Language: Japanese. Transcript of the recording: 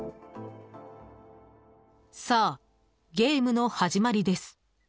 「さあゲームの始まりです